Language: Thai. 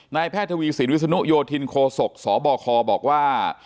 แพทย์ทวีสินวิศนุโยธินโคศกสบคบอกว่า